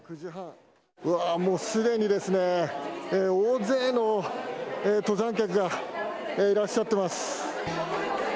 うわー、もうすでにですね、大勢の登山客がいらっしゃってます。